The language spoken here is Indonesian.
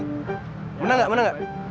eh kemarin gimana tuh